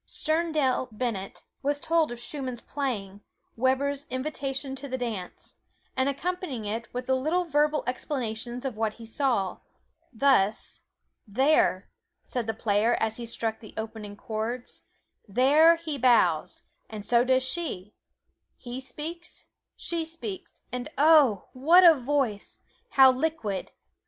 Sterndale Bennett has told of Schumann's playing Weber's "Invitation to the Dance," and accompanying it with little verbal explanations of what he saw, thus: "There," said the player as he struck the opening chords, "there, he bows, and so does she he speaks she speaks, and oh! what a voice how liquid!